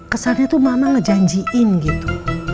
kesannya tuh mama ngejanjiin gitu